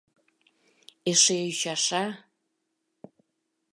— Эше ӱчаша.